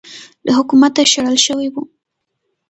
له حکومته شړل شوی و